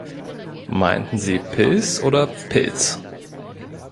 Meinten sie Pils oder Pilz?